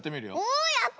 おおやった！